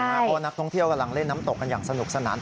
เพราะว่านักท่องเที่ยวกำลังเล่นน้ำตกกันอย่างสนุกสนาน